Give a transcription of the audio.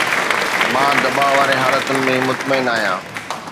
مان دٻاءُ واري حالتن ۾ مطمئن آهيان